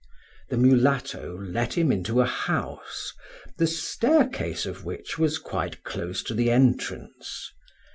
The mulatto let him into a house, the staircase of which was quite close to the entrance.